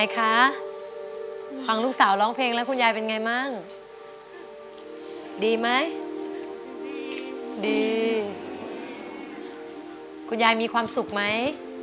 กดด้วย